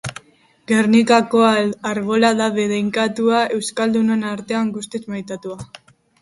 Gernikako Arbola da bedeinkatua, euskaldunen artean guztiz maitatua.